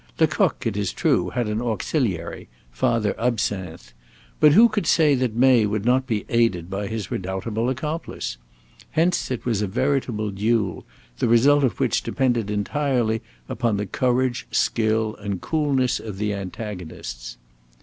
Lecoq, it is true, had an auxiliary Father Absinthe. But who could say that May would not be aided by his redoubtable accomplice? Hence, it was a veritable duel, the result of which depended entirely upon the courage, skill, and coolness of the antagonists.